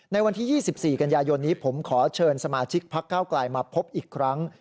ในวันที่๒๔กันยายนนี้ผมขอเชิญสมาชิกพักเก้าไกลมาพบอีกครั้ง